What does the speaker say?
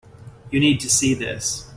You need to see this.